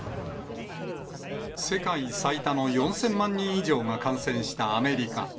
世界最多の４０００万人以上が感染したアメリカ。